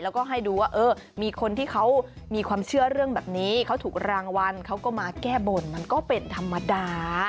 แล้วก็ให้ดูว่าเออมีคนที่เขามีความเชื่อเรื่องแบบนี้เขาถูกรางวัลเขาก็มาแก้บนมันก็เป็นธรรมดา